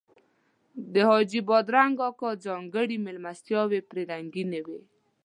د حاجي بادرنګ اکا ځانګړي میلمستیاوې پرې رنګینې وې.